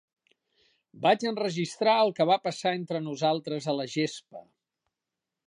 Vaig enregistrar el que va passar entre nosaltres a la gespa.